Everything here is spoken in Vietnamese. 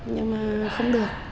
nhưng mà không được